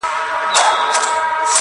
جهاني اوس دي په ژبه پوه سوم،